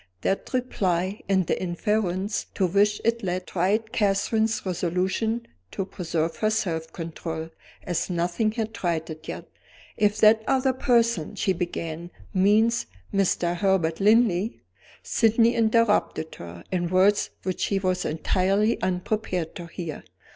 That reply, and the inference to which it led, tried Catherine's resolution to preserve her self control, as nothing had tried it yet. "If that other person," she began, "means Mr. Herbert Linley " Sydney interrupted her, in words which she was entirely unprepared to hear.